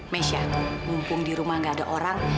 mesha mumpung di rumah gak ada orang